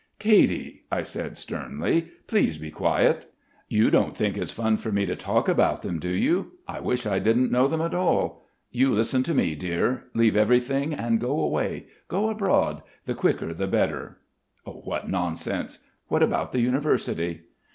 "Katy!" I say sternly. "Please be quiet." "You don't think it's fun for me to talk about them, do you? I wish I didn't know them at all. You listen to me, dear. Leave everything and go away: go abroad the quicker, the better." "What nonsense! What about the University?"